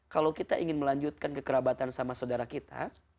kalau kita ingin melanjutkan kekerabatan sama saudara kita